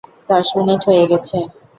দশ মিনিট হয়ে গেছে।